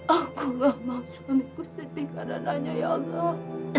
aku gak mau suamiku sering karena nanya ya allah